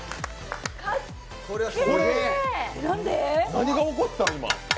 何が起こったの、今？